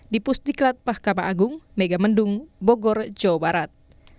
di pusdiklat pahkama agung megamendung bogor jawa barat